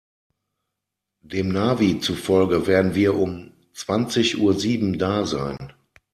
Dem Navi zufolge werden wir um zwanzig Uhr sieben da sein.